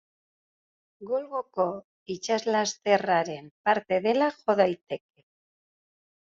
Golkoko itsaslasterraren parte dela jo daiteke.